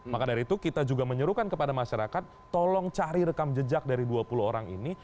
maka dari itu kita juga menyuruhkan kepada masyarakat tolong cari rekam jejak dari dua puluh orang ini